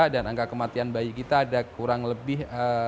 dan angka kematian bayi kita ada kurang lebih delapan belas